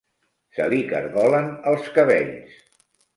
Se li cargolen els cabells.